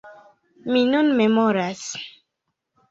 Mi nun memoras.